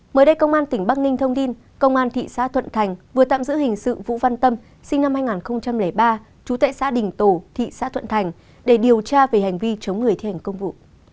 mới đây công an tỉnh bắc ninh thông tin công an thị xã thuận thành vừa tạm giữ hình sự vũ văn tâm sinh năm hai nghìn ba trú tại xã đình tổ thị xã thuận thành để điều tra về hành vi chống người thi hành công vụ